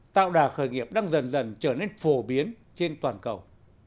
tạo đà khởi nghiệp đang dần dần trở nên phổ biến trên toàn cầu